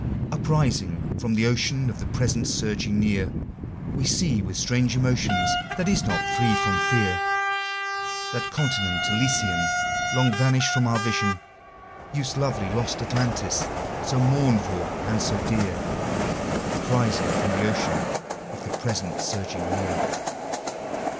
Uprising from the ocean of the present surging near, We see, with strange emotion, that is not free from fear, That continent Elysian Long vanished from our vision, Youth's lovely lost Atlantis, so mourned for and so dear, Uprising from the ocean of the present surging near.